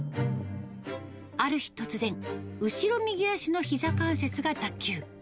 ある日突然、後ろ右足のひざ関節が脱臼。